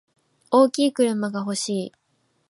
大きい車が欲しい。